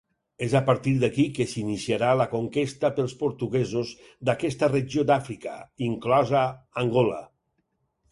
És a partir d'aquí que s'iniciarà la conquesta pels portuguesos d'aquesta regió d'Àfrica, inclosa Angola.